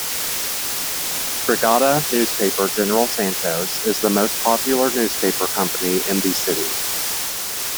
Brigada Newspaper General Santos is the most popular newspaper company in the city.